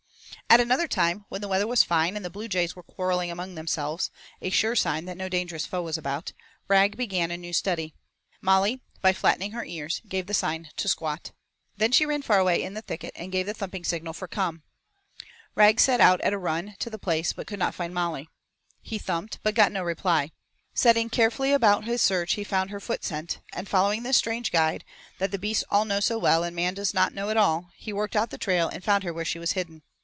At another time, when the weather was fine and the bluejays were quarrelling among themselves, a sure sign that no dangerous foe was about, Rag began a new study. Molly, by flattening her ears, gave the sign to squat. Then she ran far away in the thicket and gave the thumping signal for 'come.' Rag set out at a run to the place but could not find Molly. He thumped, but got no reply. Setting carefully about his search he found her foot scent and, following this strange guide, that the beasts all know so well and man does not know at all, he worked out the trail and found her where she was hidden.